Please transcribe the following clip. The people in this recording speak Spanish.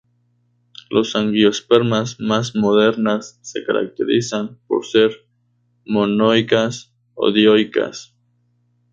Las angiospermas más modernas se caracterizan por ser monoicas o dioicas.